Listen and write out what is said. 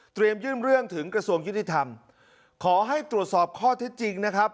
ยื่นเรื่องถึงกระทรวงยุติธรรมขอให้ตรวจสอบข้อเท็จจริงนะครับ